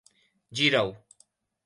Gira-ho!